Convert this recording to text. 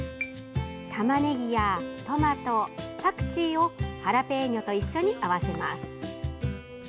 たまねぎやトマト、パクチーをハラペーニョと一緒に合わせます。